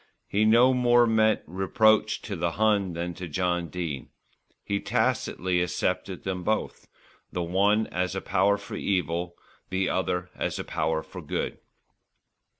He no more meant reproach to the Hun than to John Dene. He tacitly accepted them both, the one as a power for evil, the other as a power for good.